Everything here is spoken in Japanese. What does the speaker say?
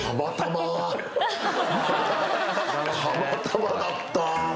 たまたまだったー